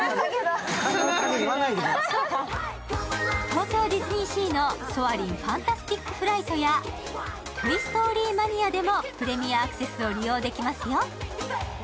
東京ディズニーシーのソアリン・ファンタスティック・フライトや「トイ・ストリー・マニア」でもプレミアアクセスを利用できますよ。